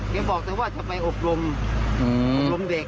แกบอกแต่ว่าจะไปอบรมเด็ก